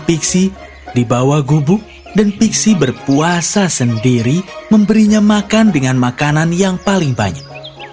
pixi di bawah gubuk dan piksi berpuasa sendiri memberinya makan dengan makanan yang paling banyak